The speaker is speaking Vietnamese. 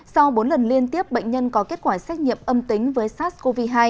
sau bốn lần liên tiếp bệnh nhân có kết quả xét nghiệm âm tính với sars cov hai